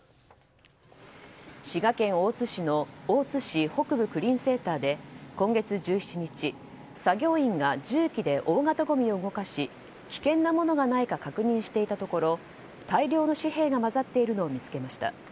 滋賀県大津市の大津市北部クリーンセンターで今月１７日、作業員が重機で大型ごみを動かし危険なものがないか確認していたところ大量の紙幣が混ざっているのを見つけました。